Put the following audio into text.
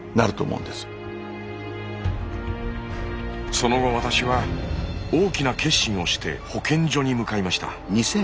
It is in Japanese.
その後私は大きな決心をして保健所に向かいました。